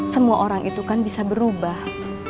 semua orang itu kan bisa berubah